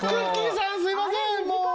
さんすいませんもう。